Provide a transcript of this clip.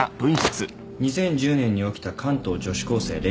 ２０１０年に起きた関東女子高生連続殺人事件。